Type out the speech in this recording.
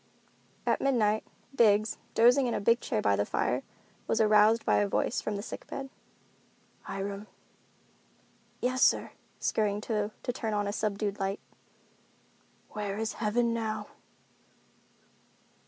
At midnight, Biggs, dozing in a big chair by the fire, was aroused by a voice from the sick bed. "Hiram." "Yes, sir," scurrying to turn on a subdued light. "Where is heaven now?"